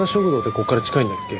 ここから近いんだっけ？